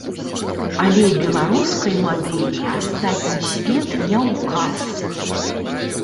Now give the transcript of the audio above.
Але беларускай мадэлі астатні свет не ўказ.